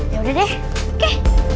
yaudah deh oke